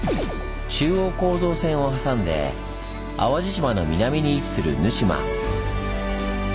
中央構造線を挟んで淡路島の南に位置する沼島。